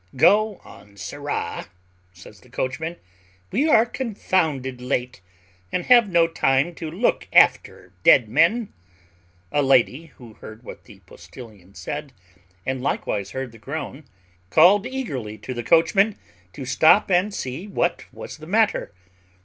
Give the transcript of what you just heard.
"Go on, sirrah," says the coachman; "we are confounded late, and have no time to look after dead men." A lady, who heard what the postillion said, and likewise heard the groan, called eagerly to the coachman to stop and see what was the matter.